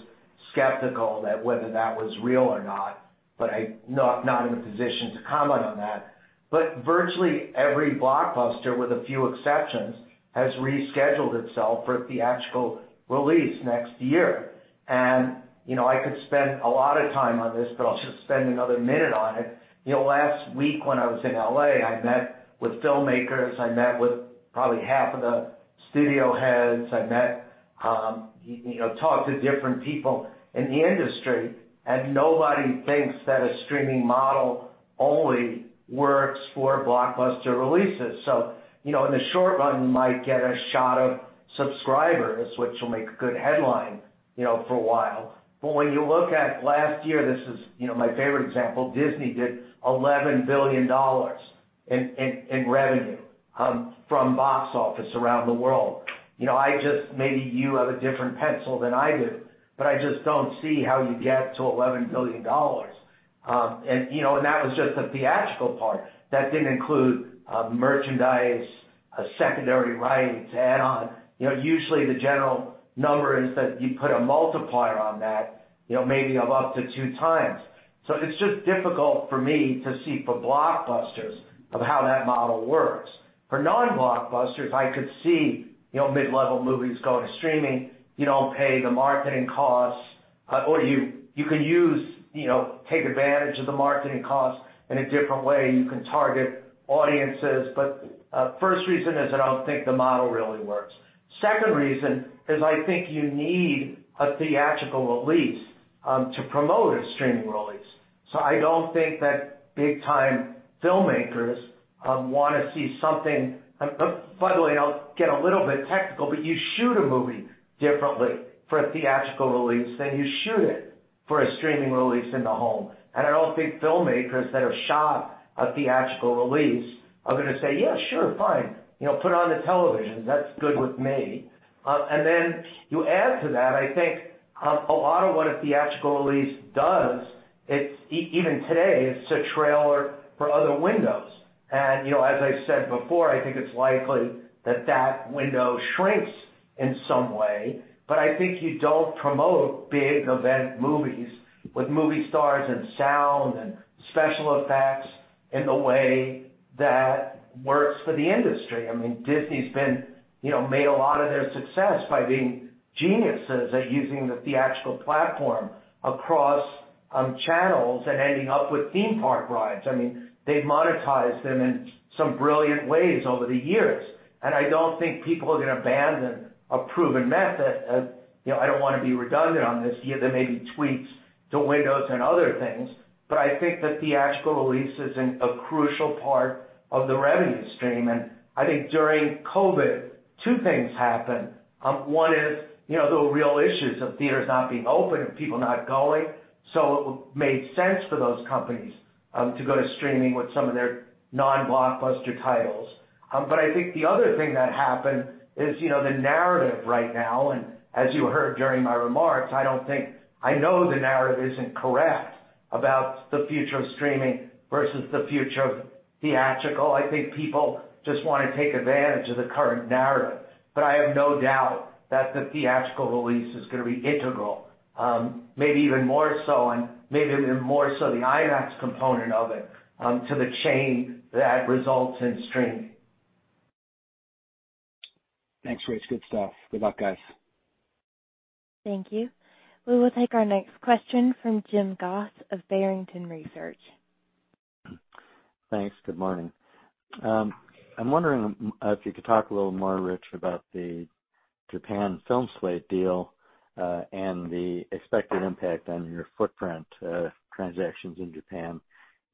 [SPEAKER 3] skeptical that whether that was real or not, but I'm not in a position to comment on that. Virtually every blockbuster, with a few exceptions, has rescheduled itself for a theatrical release next year. I could spend a lot of time on this, but I'll just spend another minute on it. Last week, when I was in LA, I met with filmmakers. I met with probably half of the studio heads. I talked to different people in the industry. Nobody thinks that a streaming model only works for blockbuster releases. So in the short run, you might get a shot of subscribers, which will make a good headline for a while. But when you look at last year, this is my favorite example, Disney did $11 billion in revenue from box office around the world. Maybe you have a different pencil than I do, but I just don't see how you get to $11 billion. And that was just the theatrical part. That didn't include merchandise, secondary rights, add-on. Usually, the general number is that you put a multiplier on that, maybe of up to two times. So it's just difficult for me to see for blockbusters of how that model works. For non-blockbusters, I could see mid-level movies going to streaming. You don't pay the marketing costs, or you can take advantage of the marketing costs in a different way. You can target audiences. But the first reason is I don't think the model really works. The second reason is I think you need a theatrical release to promote a streaming release. So I don't think that big-time filmmakers want to see something, by the way, I'll get a little bit technical, but you shoot a movie differently for a theatrical release than you shoot it for a streaming release in the home. And I don't think filmmakers that are shocked by a theatrical release are going to say, "Yeah, sure, fine. Put it on the television. That's good with me." And then you add to that, I think a lot of what a theatrical release does, even today, it's a trailer for other windows. And as I said before, I think it's likely that that window shrinks in some way. But I think you don't promote big event movies with movie stars and sound and special effects in the way that works for the industry. I mean, Disney's made a lot of their success by being geniuses at using the theatrical platform across channels and ending up with theme park rides. I mean, they've monetized them in some brilliant ways over the years. And I don't think people are going to abandon a proven method. I don't want to be redundant on this. There may be tweaks to windows and other things. But I think that theatrical release is a crucial part of the revenue stream. And I think during COVID, two things happened. One is the real issues of theaters not being open and people not going. So it made sense for those companies to go to streaming with some of their non-blockbuster titles. But I think the other thing that happened is the narrative right now. And as you heard during my remarks, I know the narrative isn't correct about the future of streaming versus the future of theatrical. I think people just want to take advantage of the current narrative. But I have no doubt that the theatrical release is going to be integral, maybe even more so and maybe even more so the IMAX component of it to the chain that results in streaming.
[SPEAKER 9] Thanks, Rich. Good stuff. Good luck, guys.
[SPEAKER 1] Thank you. We will take our next question from Jim Goss of Barrington Research.
[SPEAKER 10] Thanks. Good morning. I'm wondering if you could talk a little more, Rich, about the Japan slate deals and the expected impact on your footprint transactions in Japan.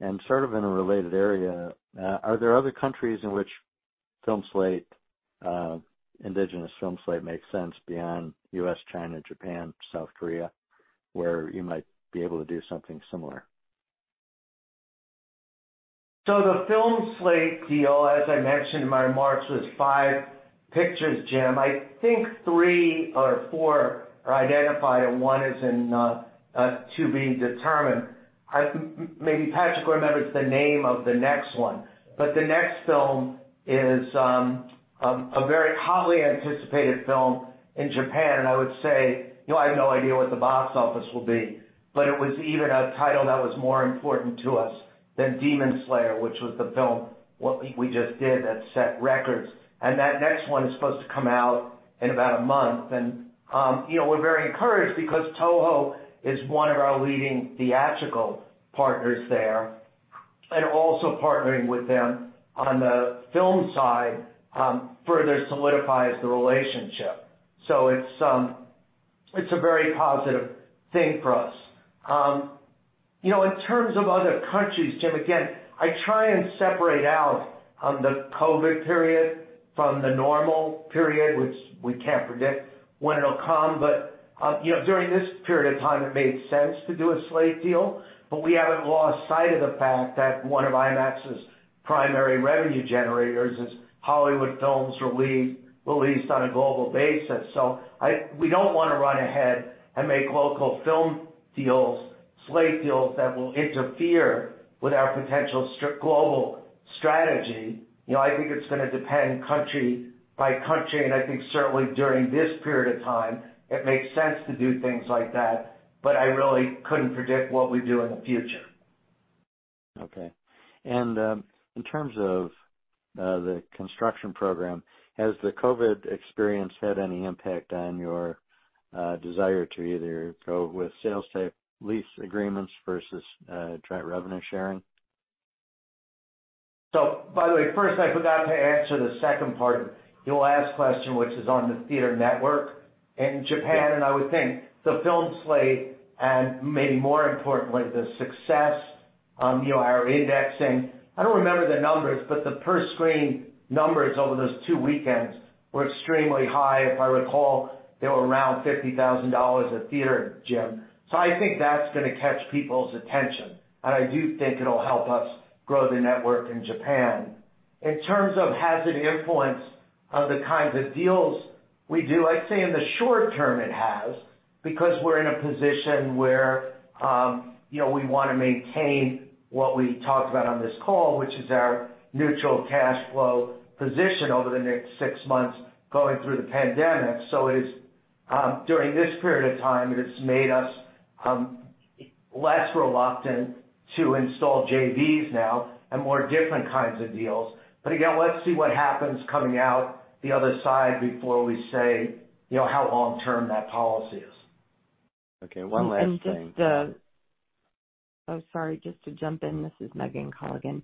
[SPEAKER 10] And sort of in a related area, are there other countries in which indigenous film slate makes sense beyond U.S., China, Japan, South Korea, where you might be able to do something similar?
[SPEAKER 3] So the slate deals, as I mentioned in my remarks, was five pictures, Jim. I think three or four are identified, and one is to be determined. Maybe Patrick remembers the name of the next one. But the next film is a very highly anticipated film in Japan. And I would say I have no idea what the box office will be. But it was even a title that was more important to us than Demon Slayer, which was the film we just did that set records. And that next one is supposed to come out in about a month. And we're very encouraged because Toho is one of our leading theatrical partners there and also partnering with them on the film side further solidifies the relationship. So it's a very positive thing for us. In terms of other countries, Jim, again, I try and separate out the COVID period from the normal period, which we can't predict when it'll come. But during this period of time, it made sense to do slate deals. but we haven't lost sight of the fact that one of IMAX's primary revenue generators is Hollywood films released on a global basis. So we don't want to run ahead and make local film slate dealss that will interfere with our potential global strategy. I think it's going to depend country by country. And I think certainly during this period of time, it makes sense to do things like that. But I really couldn't predict what we do in the future.
[SPEAKER 10] Okay, and in terms of the construction program, has the COVID experience had any impact on your desire to either go with sales-type lease agreements versus joint revenue sharing?
[SPEAKER 3] By the way, first, I forgot to answer the second part of your last question, which is on the theater network in Japan. I would think the Film Slate and maybe more importantly, the success on our indexing. I don't remember the numbers, but the per-screen numbers over those two weekends were extremely high. If I recall, they were around $50,000 per theater, Jim. I think that's going to catch people's attention. I do think it'll help us grow the network in Japan. In terms of has it influenced the kinds of deals we do, I'd say in the short term, it has because we're in a position where we want to maintain what we talked about on this call, which is our neutral cash flow position over the next six months going through the pandemic. So during this period of time, it has made us less reluctant to install JVs now and more different kinds of deals. But again, let's see what happens coming out the other side before we say how long-term that policy is.
[SPEAKER 10] Okay. One last thing.
[SPEAKER 11] Oh, sorry. Just to jump in, this is Megan Colligan.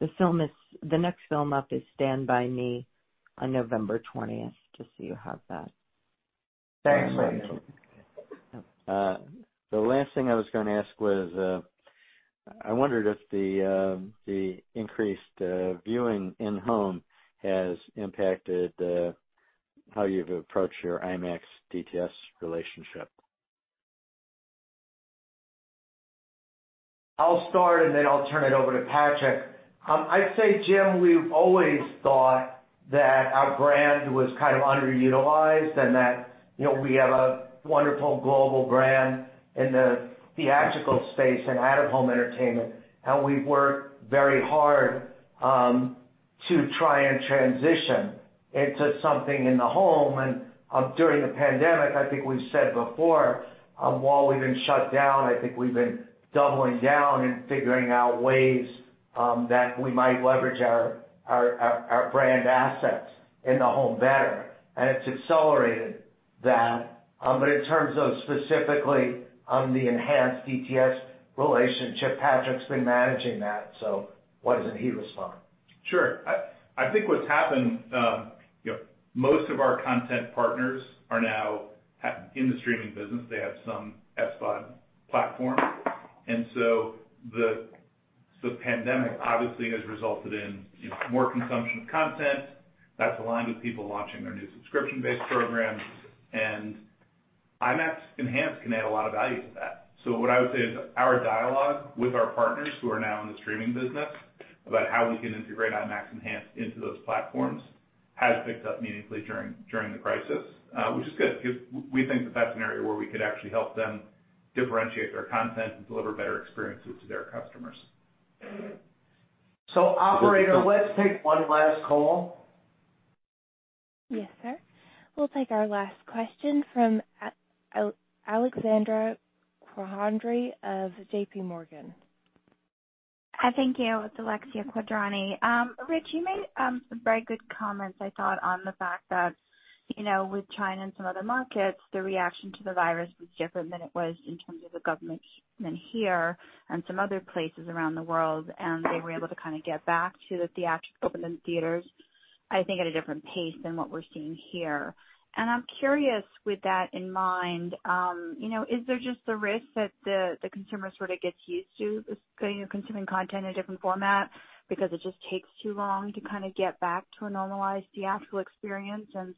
[SPEAKER 11] The next film up is Stand By Me on November 20th. Just so you have that.
[SPEAKER 3] Thanks, Megan.
[SPEAKER 10] The last thing I was going to ask was I wondered if the increased viewing in-home has impacted how you've approached your IMAX/DTS relationship?
[SPEAKER 3] I'll start, and then I'll turn it over to Patrick. I'd say, Jim, we've always thought that our brand was kind of underutilized and that we have a wonderful global brand in the theatrical space and out-of-home entertainment, and we've worked very hard to try and transition into something in the home, and during the pandemic, I think we've said before, while we've been shut down, I think we've been doubling down and figuring out ways that we might leverage our brand assets in the home better, and it's accelerated that, but in terms of specifically the enhanced DTS relationship, Patrick's been managing that, so why doesn't he respond?
[SPEAKER 4] Sure. I think what's happened, most of our content partners are now in the streaming business. They have some SVOD platform. And so the pandemic obviously has resulted in more consumption of content. That's aligned with people launching their new subscription-based programs. And IMAX Enhanced can add a lot of value to that. So what I would say is our dialogue with our partners who are now in the streaming business about how we can integrate IMAX Enhanced into those platforms has picked up meaningfully during the crisis, which is good because we think that that's an area where we could actually help them differentiate their content and deliver better experiences to their customers.
[SPEAKER 2] So, operator, let's take one last call.
[SPEAKER 1] Yes, sir. We'll take our last question from Alexia Quadrani of J.P. Morgan.
[SPEAKER 12] Hi, thank you. It's Alexia Quadrani. Rich, you made very good comments, I thought, on the fact that with China and some other markets, the reaction to the virus was different than it was in terms of the government's commitment here and some other places around the world. And they were able to kind of get back to the theatrical opening theaters, I think, at a different pace than what we're seeing here. And I'm curious, with that in mind, is there just a risk that the consumer sort of gets used to consuming content in a different format because it just takes too long to kind of get back to a normalized theatrical experience? And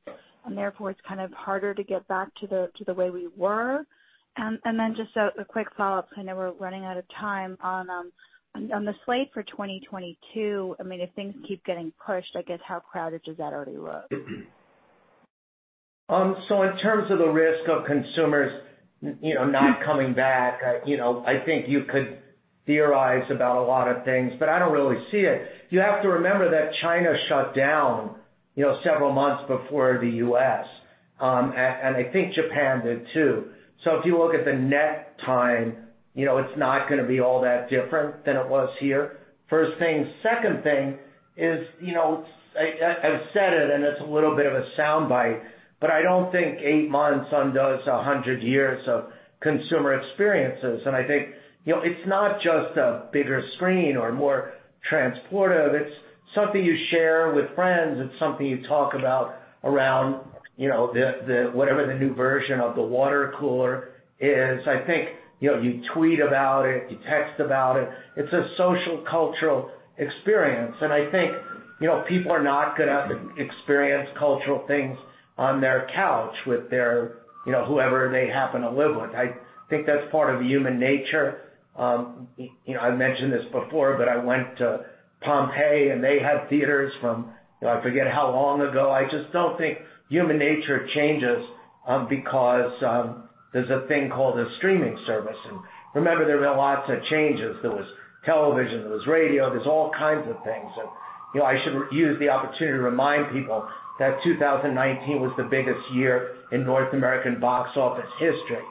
[SPEAKER 12] therefore, it's kind of harder to get back to the way we were. And then just a quick follow-up. I know we're running out of time. On the slate for 2022, I mean, if things keep getting pushed, I guess how crowded does that already look?
[SPEAKER 3] So in terms of the risk of consumers not coming back, I think you could theorize about a lot of things, but I don't really see it. You have to remember that China shut down several months before the U.S. And I think Japan did too. So if you look at the net time, it's not going to be all that different than it was here. First thing. Second thing is I've said it, and it's a little bit of a soundbite, but I don't think eight months undoes 100 years of consumer experiences. And I think it's not just a bigger screen or more transportive. It's something you share with friends. It's something you talk about around whatever the new version of the water cooler is. I think you tweet about it. You text about it. It's a social-cultural experience. And I think people are not going to experience cultural things on their couch with whoever they happen to live with. I think that's part of human nature. I mentioned this before, but I went to Pompeii, and they had theaters from I forget how long ago. I just don't think human nature changes because there's a thing called a streaming service. And remember, there were lots of changes. There was television. There was radio. There's all kinds of things. And I should use the opportunity to remind people that 2019 was the biggest year in North American box office history.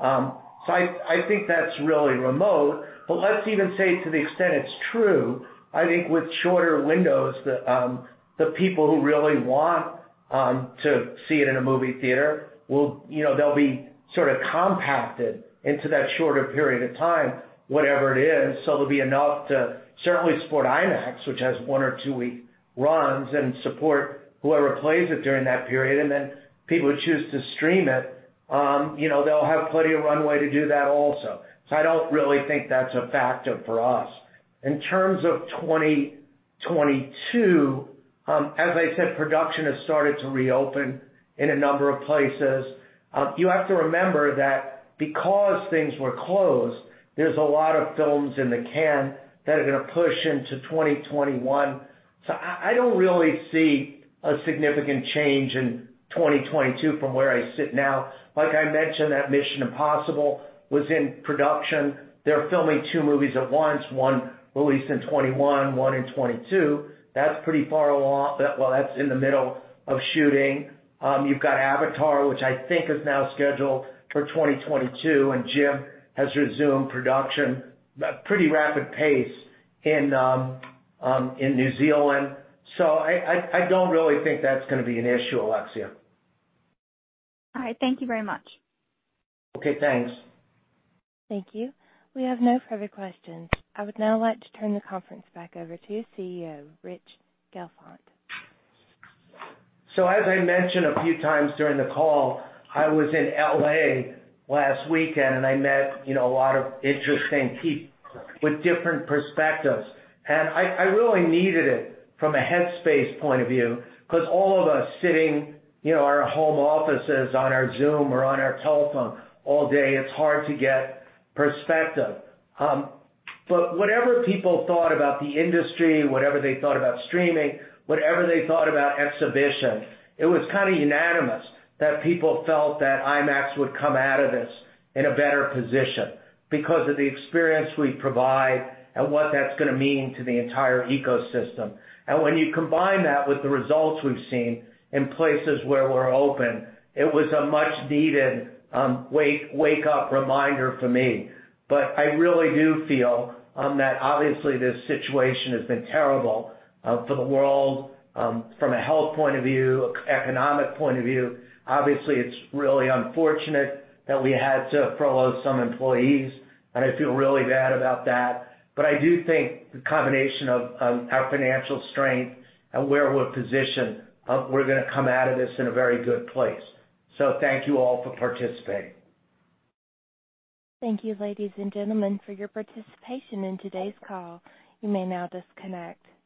[SPEAKER 3] So I think that's really remote. But let's even say to the extent it's true, I think with shorter windows, the people who really want to see it in a movie theater, they'll be sort of compacted into that shorter period of time, whatever it is. So there'll be enough to certainly support IMAX, which has one or two-week runs, and support whoever plays it during that period. And then people who choose to stream it, they'll have plenty of runway to do that also. So I don't really think that's a factor for us. In terms of 2022, as I said, production has started to reopen in a number of places. You have to remember that because things were closed, there's a lot of films in the can that are going to push into 2021. So I don't really see a significant change in 2022 from where I sit now. Like I mentioned, that Mission: Impossible was in production. They're filming two movies at once, one released in 2021, one in 2022. That's pretty far along. Well, that's in the middle of shooting. You've got Avatar, which I think is now scheduled for 2022. Jim has resumed production at a pretty rapid pace in New Zealand. I don't really think that's going to be an issue, Alexia.
[SPEAKER 12] All right. Thank you very much.
[SPEAKER 2] Okay. Thanks.
[SPEAKER 1] Thank you. We have no further questions. I would now like to turn the conference back over to CEO Rich Gelfond.
[SPEAKER 3] As I mentioned a few times during the call, I was in LA last weekend, and I met a lot of interesting people with different perspectives. I really needed it from a headspace point of view because all of us sitting in our home offices on our Zoom or on our telephone all day, it's hard to get perspective. Whatever people thought about the industry, whatever they thought about streaming, whatever they thought about exhibition, it was kind of unanimous that people felt that IMAX would come out of this in a better position because of the experience we provide and what that's going to mean to the entire ecosystem. When you combine that with the results we've seen in places where we're open, it was a much-needed wake-up reminder for me. But I really do feel that obviously this situation has been terrible for the world from a health point of view, economic point of view. Obviously, it's really unfortunate that we had to furlough some employees. And I feel really bad about that. But I do think the combination of our financial strength and where we're positioned, we're going to come out of this in a very good place. So thank you all for participating.
[SPEAKER 1] Thank you, ladies and gentlemen, for your participation in today's call. You may now disconnect.